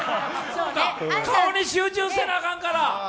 顔に集中せなあかんから。